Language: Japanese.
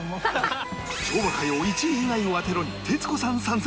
「昭和歌謡１位以外を当てろ！」に徹子さん参戦！